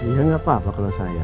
ya nggak apa apa kalau saya